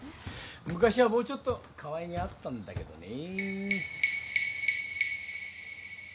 昔はもうちょっとかわいげあったんだけどね。